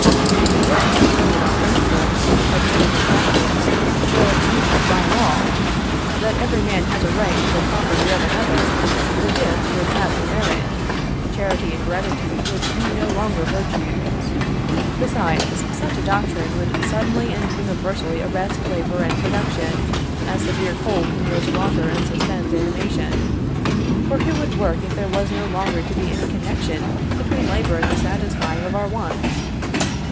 If it were to be asserted on principle, admitted in practice, or sanctioned by law, that every man has a right to the property of another, the gift would have no merit, charity and gratitude would be no longer virtues. Besides, such a doctrine would suddenly and universally arrest labor and production, as severe cold congeals water and suspends animation, for who would work if there was no longer to be any connection between labor and the satisfying of our wants?